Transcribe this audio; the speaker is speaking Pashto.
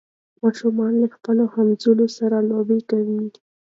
ماشومان له خپلو همزولو سره لوبې کوي.